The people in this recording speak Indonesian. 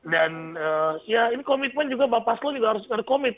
dan ya ini komitmen juga bapak slon harus berkomit